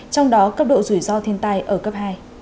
trong đó cấp độ rủi ro thiên tai ở cấp hai